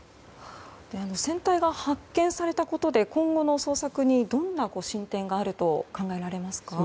船体が発見されたことで今後の捜索にどんな進展があると考えられますか。